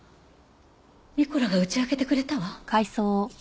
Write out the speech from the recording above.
ニコラが打ち明けてくれたわ。